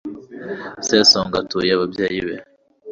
sesonga atura ababyeyi be